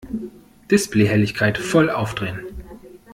Displayhelligkeit voll aufdrehen!